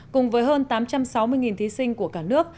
cùng với hơn tám trăm sáu mươi thí sinh của cả nước